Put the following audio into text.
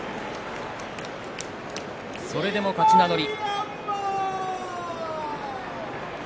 それでも勝ち名乗り。